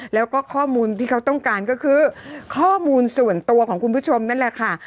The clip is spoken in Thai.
แล้วก็ข้อมูลที่เขาต้องการก็คือข้อมูลส่วนตัวของคุณผู้ชมนั่นแหละค่ะ